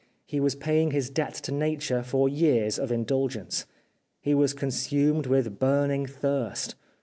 He was paying his debt to Nature for years of indulgence. He was consumed with burning thirst.